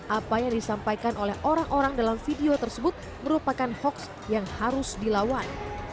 apa yang disampaikan oleh orang orang dalam video tersebut merupakan hoax yang harus dilawan